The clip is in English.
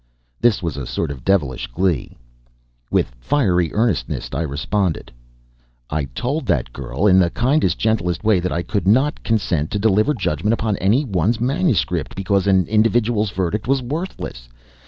This was a sort of devilish glee. With fiery earnestness I responded: "I told that girl, in the kindest, gentlest way, that I could not consent to deliver judgment upon any one's manuscript, because an individual's verdict was worthless.